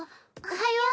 おはよう。